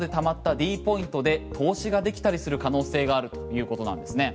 ｄポイントで投資ができたりする可能性があるということなんですね。